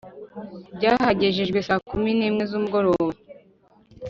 Byahagejejwe saa kumi n’imwe z’umugoroba